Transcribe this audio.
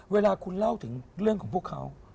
เวลาคุณเล่าถึงเรื่องของพวกเขา